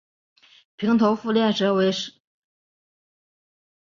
平头腹链蛇为游蛇科腹链蛇属的爬行动物。